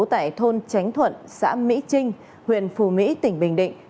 tại thôn tránh thuận xã mỹ trinh huyện phù mỹ tỉnh bình định